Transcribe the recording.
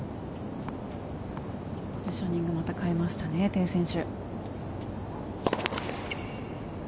ポジショニングもまた変えましたね、テイ選手。